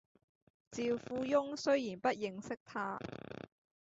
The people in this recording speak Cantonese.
趙貴翁雖然不認識他，